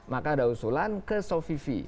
maka ada usulan ke sofivi